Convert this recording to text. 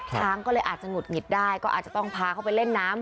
ช้างก็เลยอาจจะหงุดหงิดได้ก็อาจจะต้องพาเขาไปเล่นน้ำ